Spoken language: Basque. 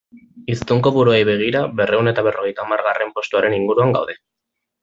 Hiztun kopuruei begira, berrehun eta berrogeita hamargarren postuaren inguruan gaude.